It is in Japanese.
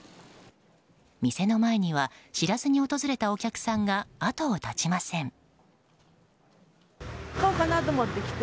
店の前には知らずに訪れたお客さんが後を絶ちません。